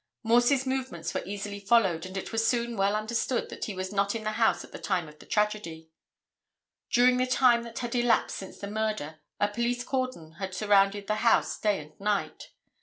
Morse's movements were easily followed and it was soon well understood that he was not in the house at the time of the tragedy. During the time that had elapsed since the murder a police cordon had surrounded the house day and night.